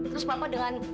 terus papa dengan